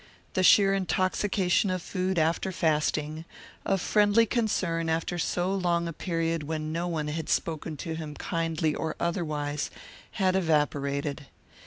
The sheer intoxication of food after fasting, of friendly concern after so long a period when no one had spoken him kindly or otherwise, had evaporated.